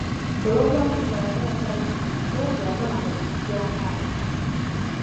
Olw’okuba Mulumba yali akyali mwana muto, teyakolanga mirimu gya maannyi.